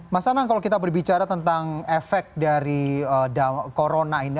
mas anang kalau kita berbicara tentang efek dari corona ini